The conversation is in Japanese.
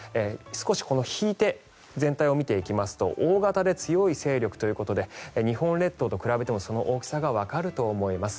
少し引いて全体を見ていきますと大型で強い勢力ということで日本列島と比べてもその大きさがわかると思います。